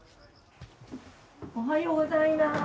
おはようございます。